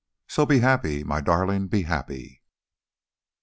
So be happy, my darling, be happy."